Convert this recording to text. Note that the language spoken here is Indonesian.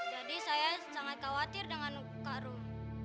jadi saya sangat khawatir dengan kak rum